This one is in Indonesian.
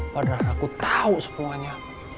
padahal aku tau semuanya